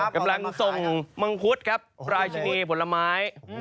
กำลังส่งมังคุดครับราชินีผลไม้